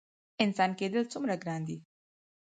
انسان کیدل څومره ګران دي؟